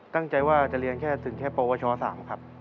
ตั้งใจว่าจะเรียนแค่ถึงแค่ปวช๓ครับ